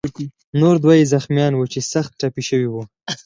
نور دوه یې زخمیان وو چې سخت ټپي شوي وو.